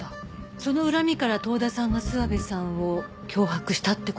その恨みから遠田さんが諏訪部さんを脅迫したって事？